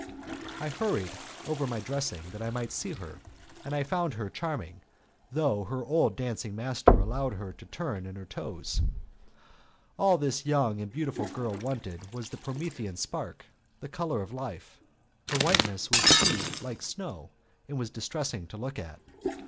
I hurried over my dressing that I might see her; and I found her charming, though her old dancing master allowed her to turn in her toes. All that this young and beautiful girl wanted was the Promethean spark, the colour of life; her whiteness was too like snow, and was distressing to look at.